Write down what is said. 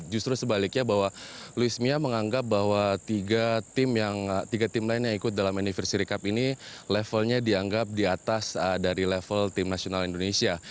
justru sebaliknya bahwa louis mia menganggap bahwa tiga tim lain yang ikut dalam anniversary cup ini levelnya dianggap di atas dari level tim nasional indonesia